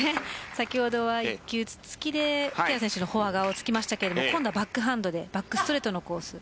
先ほどは１球、ツッツキで木原選手のフォア側を突きましたが今度はバック側でバックストレートのコース。